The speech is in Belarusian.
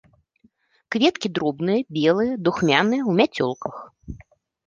Кветкі дробныя, белыя, духмяныя, у мяцёлках.